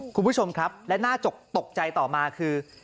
คุณผู้ชมครับและน่าจกตกใจต่อมาคือ